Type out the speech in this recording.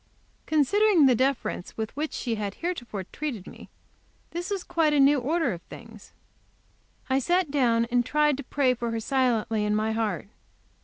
Considering the deference with which she had heretofore treated me, this was quite a new order of things. I sat down and tried to pray for her, silently, in my heart.